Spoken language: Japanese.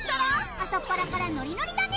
朝っぱらからノリノリだね。